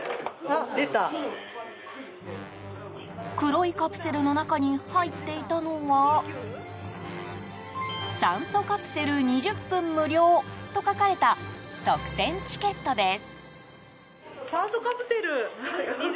黒いカプセルの中に入っていたのは酸素カプセル２０分無料と書かれた特典チケットです。